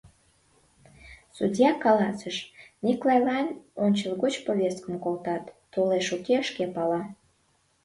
Судья каласыш: Миклайлан ончылгоч повесткым колтат, толеш уке — шке пала.